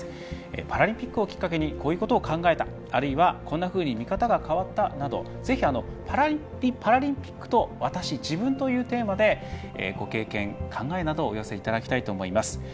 パラリンピックをきっかけにこういうことを考えたあるいはこんなふうに見方が変わったなどぜひ、パラリンピックと私自分というテーマでご経験、考えなどお寄せいただきたいと思います。